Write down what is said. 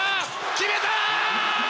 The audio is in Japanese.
決めた！